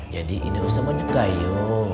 jadi ini usah banyak gayo